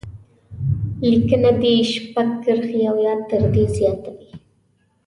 لیکنه دې شپږ کرښې او یا تر دې زیاته وي.